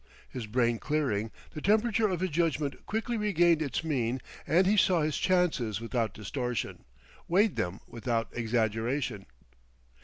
His brain clearing, the temperature of his judgment quickly regained its mean, and he saw his chances without distortion, weighed them without exaggeration.